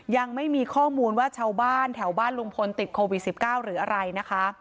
ยังไม่มีข้อมูลว่าชาวบ้านแถวบ้านลุงพลติดโควิด๑๙หรืออะไรนะคะ